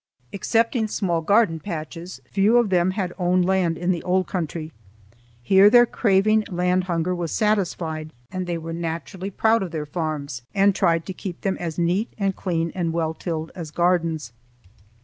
Excepting small garden patches, few of them had owned land in the old country. Here their craving land hunger was satisfied, and they were naturally proud of their farms and tried to keep them as neat and clean and well tilled as gardens.